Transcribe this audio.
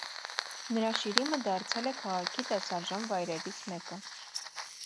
Նրա շիրիմը դարձել է քաղաքի տեսարժան վայրերից մեկը։